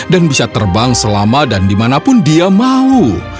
dan bisa terbang selama dan dimanapun dia mau